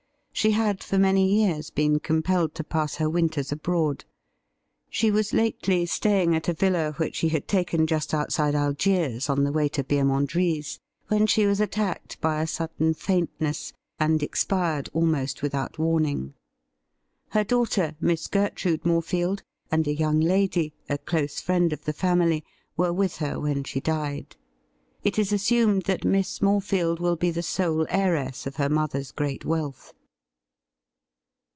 She had for many years been compelled to pass her winters abroad. She was lately staying at a villa which she had taken just outside Algiers on the way to Birmandreis, when she was attacked by a sudden faintness, and expired almost wibhout warning. Her daughter. Miss Gertrude Morefield, and a young lady, a close friend of the family, were with her when she died. It is assumed that Miss Morefield will be the sole heiress of her mother's great wealth.'